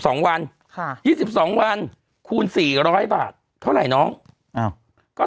สองวันค่ะยี่สิบสองวันคูณสี่ร้อยบาทเท่าไหร่น้องอ้าวก็